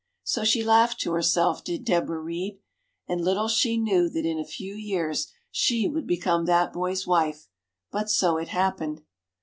So she laughed to herself, did Deborah Read. And little she knew that in a few years, she would become that boy's wife! But so it happened.